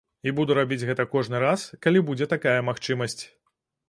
І буду рабіць гэта кожны раз, калі будзе такая магчымасць.